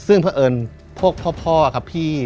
ซึ่งเพราะเอิญพ่อพ่อพี่